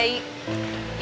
tapi ngerasa dihargai